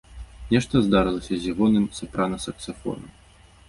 Нешта здарылася з ягоным сапрана-саксафонам.